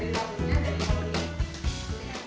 bekal yang dibuat untuk anak yang susah makan